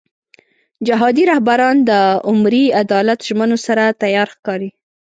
جهادي رهبران د عمري عدالت ژمنو سره تیار ښکاري.